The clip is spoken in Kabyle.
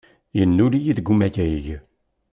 Yennul-iyi deg umayeg.